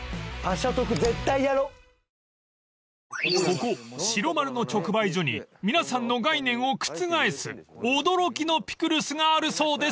［ここ白丸の直売所に皆さんの概念を覆す驚きのピクルスがあるそうです］